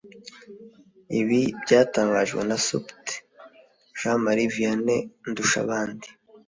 Ibi byatangajwe na Supt Jean Marie Vianney Ndushabandi